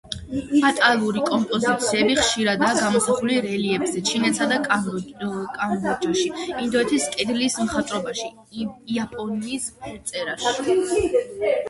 ბატალური კომპოზიციები ხშირადაა გამოსახული რელიეფზე ჩინეთსა და კამბოჯაში, ინდოეთის კედლის მხატვრობაში, იაპონიის ფერწერაში.